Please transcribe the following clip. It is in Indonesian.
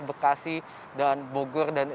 bekasi dan bogor dan